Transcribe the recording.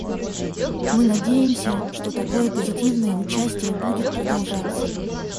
Мы надеемся, что такое позитивное участие будет продолжаться.